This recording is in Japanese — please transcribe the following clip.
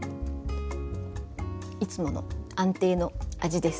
いつもの安定の味です。